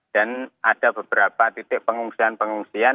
dan ada beberapa titik pengungsian pengungsian